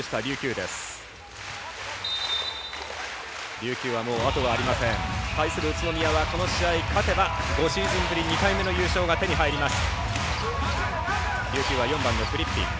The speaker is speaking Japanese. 対する宇都宮はこの試合勝てば５シーズンぶり２回目の優勝が手に入ります。